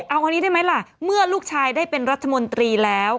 เอาอันนี้ได้ไหมล่ะเมื่อลูกชายได้เป็นรัฐมนตรีแล้ว